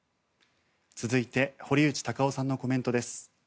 続いて堀内孝雄さんのコメントです。